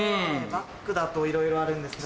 バッグだといろいろあるんですけど。